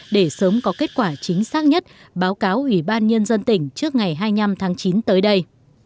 để sớm có kết quả chính xác nhất báo cáo ủy ban nhân dân tỉnh trước ngày hai mươi năm tháng chín tới đây